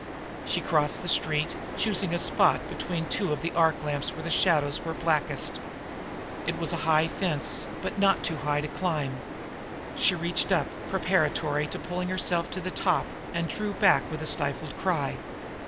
She crossed the street, choosing a spot between two of the arc lamps where the shadows were blackest. It was a high fence, but not too high to climb. She reached up, preparatory to pulling herself to the top and drew back with a stifled cry.